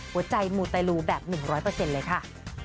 หัวใจมูเตลูแบบ๑๐๐เลยค่ะ